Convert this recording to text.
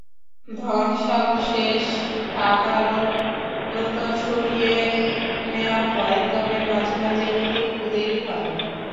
ধ্বংসাবশেষ সাধারণত সরিয়েই নেওয়া হয়, তবে মাঝে মাঝে নিতে একটু দেরি হয়।